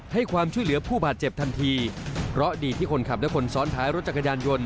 ให้ความช่วยเหลือผู้บาดเจ็บทันทีเพราะดีที่คนขับและคนซ้อนท้ายรถจักรยานยนต์